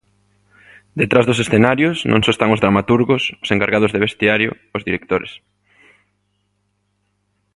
Detrás dos escenarios non só están os dramaturgos, os encargados de vestiario, os directores.